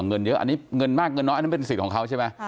เงินเยอะอันนี้เงินมากเงินน้อยอันนั้นเป็นสิทธิ์ของเขาใช่ไหม